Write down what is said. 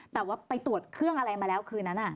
แต่ว่าไปตรวจเครื่องอะไรมาแล้วคืนนั้น